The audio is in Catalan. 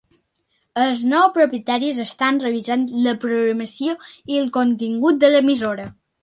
Els nous propietaris estan revisant la programació i el contingut de l'emissora.